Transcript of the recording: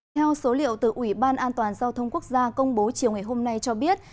theo số liệu từ ủy ban an toàn giao thông quốc gia công bố chiều ngày hôm nay cho biết